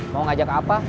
mau ngajak apa